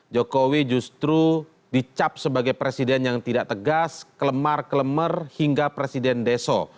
jokowi justru dicap sebagai presiden yang tidak tegas kelemar kelemar hingga presiden deso